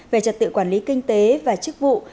về trật tự quản lý kinh tế và chức vụ